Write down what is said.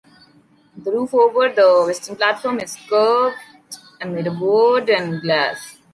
The roofover the western platform is curved, and made of wood and glass.